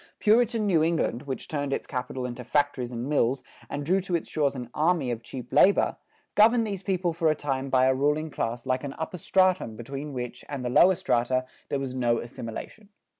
Puritan New England, which turned its capital into factories and mills and drew to its shores an army of cheap labor, governed these people for a time by a ruling class like an upper stratum between which and the lower strata there was no assimilation.